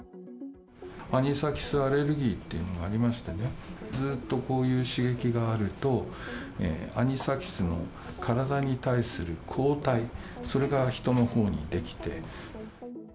アニサキスアレルギーというのがありましてね、ずっとこういう刺激があると、アニサキスの体に対する抗体、それが人のほうに出来て。